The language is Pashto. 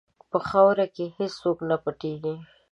په خاوره کې هېڅ څوک نه پټیږي.